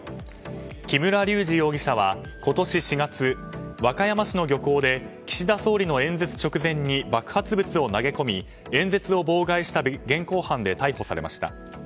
木村隆二容疑者は今年４月和歌山市の漁港で岸田総理の演説直前に爆発物を投げ込み演説を妨害した現行犯で逮捕されました。